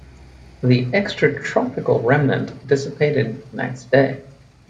The extratropical remnant dissipated the next day.